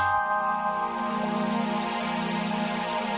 ada sarung nih